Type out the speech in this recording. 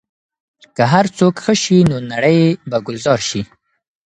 که هر څوک ښه شي، نو نړۍ به ګلزار شي.